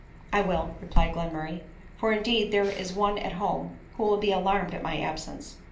" 1 will," replied Glenmurray ;" for indeed there is one at home who will be alarmed at my absence."